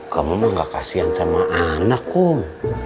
kamu mah gak kasihan sama anak kum